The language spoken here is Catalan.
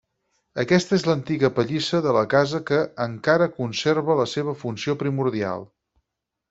Aquesta és l'antiga pallissa de la casa que encara conserva la seva funció primordial.